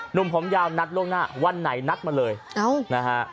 หนุ่มผมยาวนัดล่วงหน้าวันไหนนัดมาเลยนะฮะ